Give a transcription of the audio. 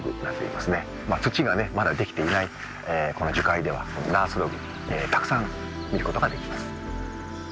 まあ土がねまだできていないこの樹海ではナースログたくさん見ることができます。